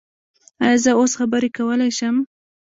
ایا زه اوس خبرې کولی شم؟